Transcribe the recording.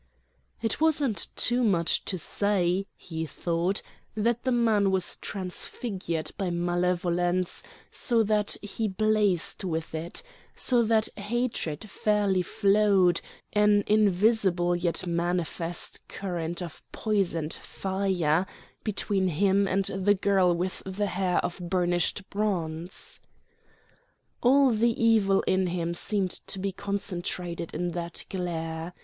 It wasn't too much to say (he thought) that the man was transfigured by malevolence, so that he blazed with it, so that hatred fairly flowed, an invisible yet manifest current of poisoned fire, between him and the girl with the hair of burnished bronze. All the evil in him seemed to be concentrated in that glare.